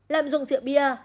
làm dùng rượu bia